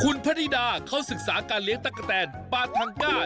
คุณพระนิดาเขาศึกษาการเลี้ยงตะกะแตนปาทังก้า